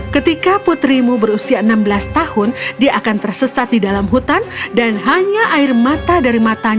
ketika putrimu berusia enam belas tahun dia akan tersesat di dalam hutan dan hanya air mata dari matanya